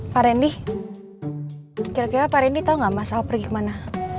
pak randy kira kira pak randy tau gak mas al pergi kemana